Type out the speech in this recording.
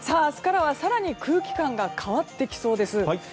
明日からは更に空気感が変わってきそうです。